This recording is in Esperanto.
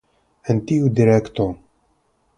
En tiu direkto.